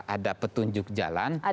ada petunjuk jalan